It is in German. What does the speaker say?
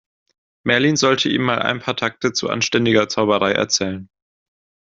Merlin sollte ihm mal ein paar Takte zu anständiger Zauberei erzählen.